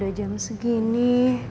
udah jam segini